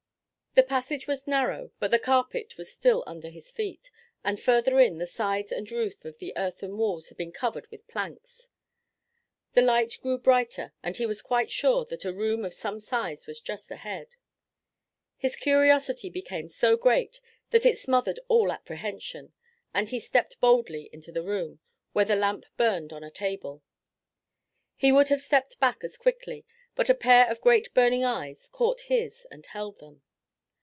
The passage was narrow, but the carpet was still under his feet, and further in, the sides and roof of the earthen walls had been covered with planks. The light grew brighter and he was quite sure that a room of some size was just ahead. His curiosity became so great that it smothered all apprehension, and he stepped boldly into the room, where the lamp burned on a table. He would have stepped back as quickly, but a pair of great burning eyes caught his and held them.